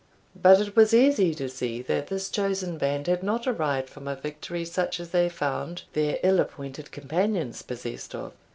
But it was easy to see that this chosen band had not arrived from a victory such as they found their ill appointed companions possessed of.